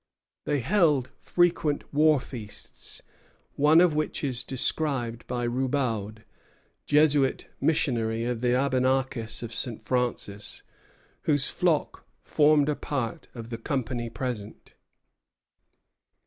They held frequent war feasts, one of which is described by Roubaud, Jesuit missionary of the Abenakis of St. Francis, whose flock formed a part of the company present.